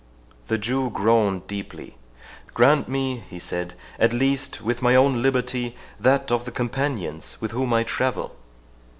The Jew groaned deeply.—"Grant me," he said, "at least with my own liberty, that of the companions with whom I travel.